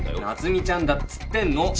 夏美ちゃんだっつってんの。